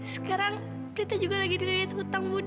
sekarang prita juga lagi di lelitongan aku ya budi